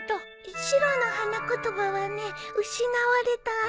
白の花言葉はね「失われた愛」と。